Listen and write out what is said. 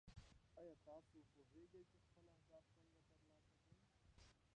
ایا تاسو پوهېږئ چې خپل اهداف څنګه ترلاسه کړئ؟